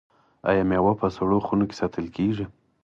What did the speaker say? آیا میوه په سړو خونو کې ساتل کیږي؟